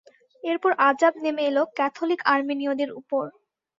এরপর আজাব নেমে এল ক্যাথলিক আর্মেনীয়দের ওপর।